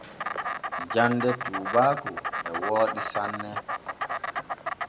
Jande tuubaaku e wooɗi sanne.